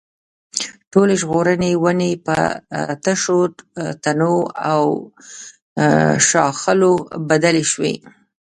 ټولې زرغونې ونې په تشو تنو او ښاخلو بدلې شوې.